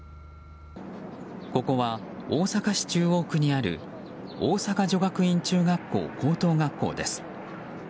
ここは大阪市中央区にある大阪女学院中学校・高等学校です。